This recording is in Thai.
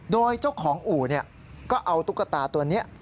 โดยเจ้าของอู่ก็เอาตุ๊กตาตัวนี้